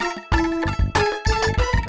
itu saya yang memikir itu bukan itu